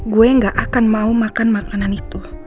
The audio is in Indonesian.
gue gak akan mau makan makanan itu